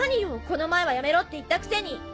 この前はやめろって言ったくせに！